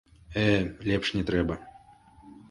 Э, лепш не трэба.